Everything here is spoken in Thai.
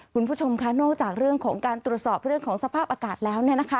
คุณผู้ชมค่ะนอกจากเรื่องของการตรวจสอบเรื่องของสภาพอากาศแล้ว